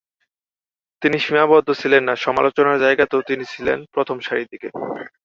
তিনি সীমাবদ্ধ ছিলেন না সমালোচনার জায়গাতেও তিনি ছিলেন প্রথম সারির দিকে।